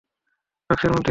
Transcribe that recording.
বাক্সের মধ্যে কি?